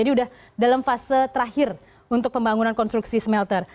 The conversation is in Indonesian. jadi sudah dalam fase terakhir untuk pembangunan konstruksi smelter